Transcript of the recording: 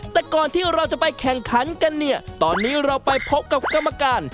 แต่ก่อนที่เราจะไปแข่งขันกันเนี่ยตอนนี้เราไปพบกับกรรมการ